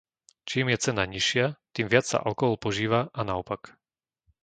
Čím je cena nižšia, tým viac sa alkohol požíva a naopak.